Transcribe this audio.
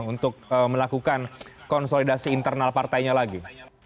untuk melakukan konsolidasi internal partainya lagi